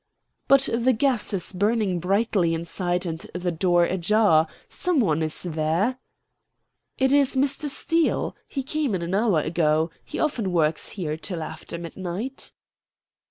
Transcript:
"But the gas is burning brightly inside and the door ajar. Some one is there." "It is Mr. Steele. He came in an hour ago. He often works here till after midnight."